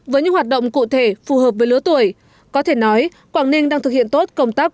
với những hoạt động cụ thể phù hợp với lứa tuổi có thể nói quảng ninh đang thực hiện tốt công tác